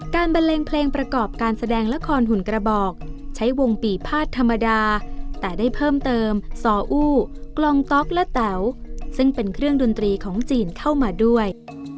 บันเลงเพลงประกอบการแสดงละครหุ่นกระบอกใช้วงปีภาษธรรมดาแต่ได้เพิ่มเติมซออู้กลองต๊อกและแต๋วซึ่งเป็นเครื่องดนตรีของจีนเข้ามาด้วย